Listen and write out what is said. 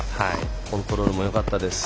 コントロールもよかったです。